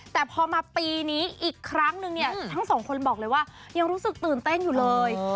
แต่พอมาปีนี้อีกครั้งนึงเนี่ยทั้งสองคนบอกเลยว่ายังรู้สึกตื่นเต้นอยู่เลย